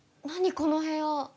この部屋。